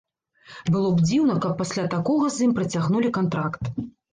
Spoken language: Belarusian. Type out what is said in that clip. Было б дзіўна, каб пасля такога з ім працягнулі кантракт.